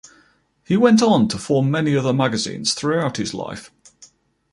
He went on to form many other magazines throughout his life.